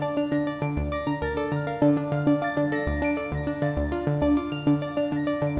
tasik tasik tasik